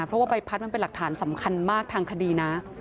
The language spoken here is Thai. เพราะว่าใบพัดมันเป็นหลักฐานสำคัญมากทางคดีนะ